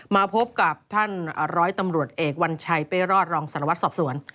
มาพบกับท่านร้อยตำรวจเอกวัญชัยเป้รอดรองสารวัตรสอบสวน